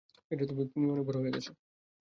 তুমিও অনেক বড় হয়ে গেছো।